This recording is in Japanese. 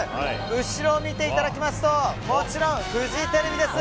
後ろを見ていただきますともちろんフジテレビです！